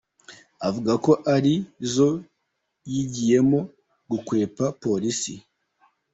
Avuga ko ari zo yigiyemo gukwepa polisi.